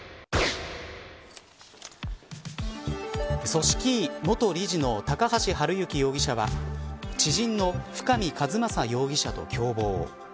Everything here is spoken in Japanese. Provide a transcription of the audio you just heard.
組織委元理事の高橋治之容疑者は知人の深見和政容疑者と共謀。